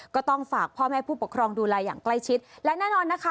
ก็ต้องฝากพ่อแม่ผู้ปกครองดูแลอย่างใกล้ชิดและแน่นอนนะคะ